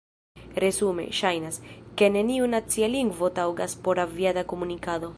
Resume, ŝajnas, ke neniu nacia lingvo taŭgas por aviada komunikado.